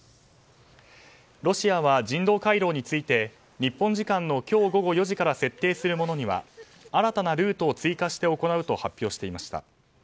ロシアは人道回廊について日本時間の今日午後４時から設定するものには新たなルートを追加して行うと発表していました。